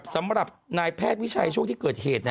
สำหรับนายแพทย์วิชัยช่วงที่เกิดเหตุ